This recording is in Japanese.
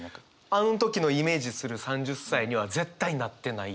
「あの時のイメージする３０歳には絶対なってない」とか。